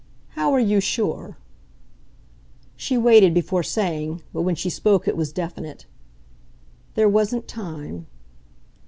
"How are you sure?" She waited before saying, but when she spoke it was definite. "There wasn't time."